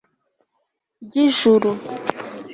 ry'ijuru